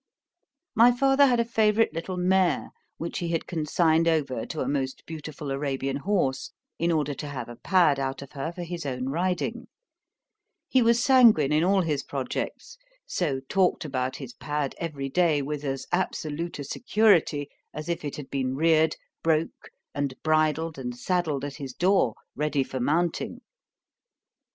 My father had a favourite little mare, which he had consigned over to a most beautiful Arabian horse, in order to have a pad out of her for his own riding: he was sanguine in all his projects; so talked about his pad every day with as absolute a security, as if it had been reared, broke,—and bridled and saddled at his door ready for mounting.